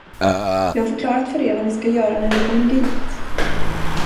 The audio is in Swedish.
Jag har förklarat för er vad ni ska göra när ni kommer dit.